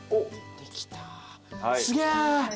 できたすげえ！